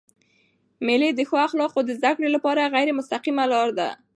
مېلې د ښو اخلاقو د زدهکړي له پاره غیري مستقیمه لار ده.